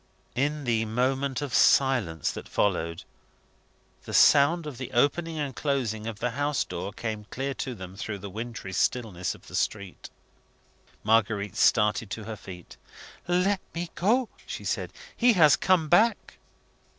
In the moment of silence that followed, the sound of the opening and closing of the house door came clear to them through the wintry stillness of the street. Marguerite started to her feet. "Let me go!" she said. "He has come back!"